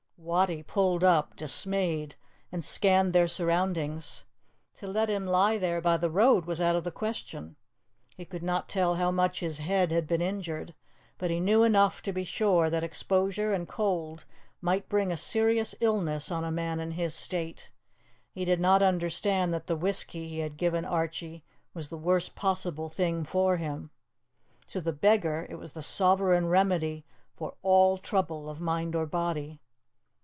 Wattie pulled up, dismayed, and scanned their surroundings. To let him lie there by the road was out of the question. He could not tell how much his head had been injured, but he knew enough to be sure that exposure and cold might bring a serious illness on a man in his state; he did not understand that the whisky he had given Archie was the worst possible thing for him. To the beggar, it was the sovereign remedy for all trouble of mind or body.